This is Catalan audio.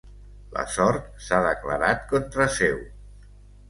La sort s'ha declarat contra seu.